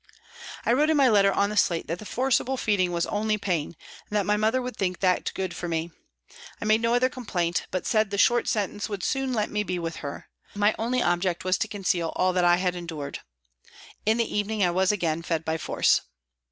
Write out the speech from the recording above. I wrote in my letter on the slate that the forcible feeding was " only pain," and that my mother would think that good for me. I made no other complaint, but said the short sentence would soon let me be WALTON GAOL, LIVERPOOL 293 with her. My only object was to conceal all that I endured. In the evening I was again fed by force.